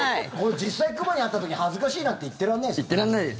実際に熊に会った時恥ずかしいなんて言ってらんないです。